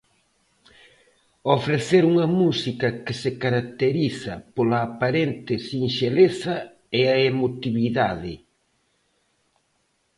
Ofrecer unha música que se caracteriza pola aparente sinxeleza e a emotividade.